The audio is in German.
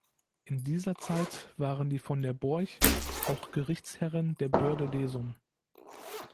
In dieser Zeit waren die von der Borch auch Gerichtsherren der Börde Lesum.